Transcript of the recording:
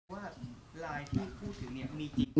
ว่ารายที่พูดถึงเนี่ยมีจริงครับ